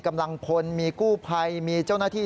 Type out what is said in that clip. กำลังพลมีกู้ภัยมีเจ้าหน้าที่